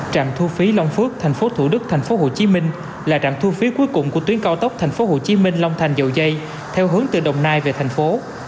trạm thu phí long phước tp thủ đức tp hcm là trạm thu phí cuối cùng của tuyến cao tốc tp hcm long thành dầu dây theo hướng từ đồng nai về thành phố